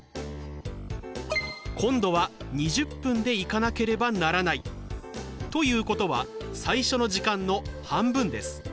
今度は２０分で行かなければならないということは最初の時間の半分です。